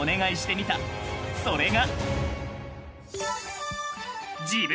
［それが］